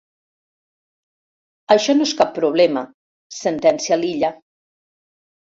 Això no és cap problema —sentencia l'Illa—.